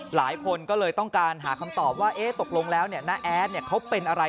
หลายคนก็เลยต้องการหาคำตอบว่าตกลงแล้วน้าแอดเขาเป็นอะไร